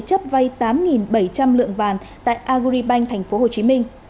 tài sản này đang được thế chấp vay tám bảy trăm linh lượng vàn tại agribank tp hcm